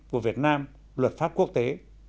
của việt nam luật pháp quốc tế